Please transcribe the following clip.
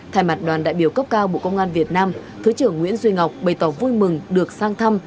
thay mặt đoàn đại biểu cấp cao bộ công an việt nam thứ trưởng nguyễn duy ngọc bày tỏ vui mừng được sang thăm